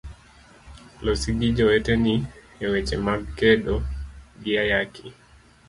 Losi gi joweteni eweche mag kedo gi ayaki.